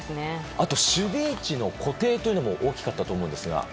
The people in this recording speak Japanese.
あと守備位置の固定というのも大きかったと思いますが。